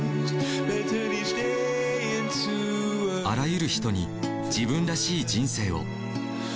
あらゆる人に自分らしい人生を。